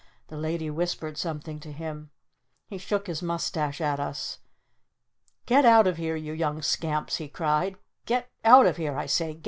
The Lady whispered something to him. He shook his mustache at us. "Get out of here, you Young Scamps!" he cried. "Get out of here, I say!